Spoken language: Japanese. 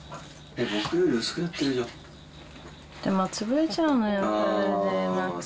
でも潰れちゃうのよ。